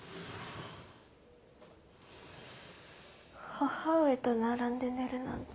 母上と並んで寝るなんて